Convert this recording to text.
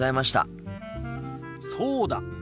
そうだ。